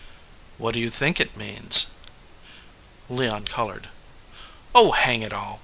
"What do you think it means?" Leon colored. "Oh, hang it all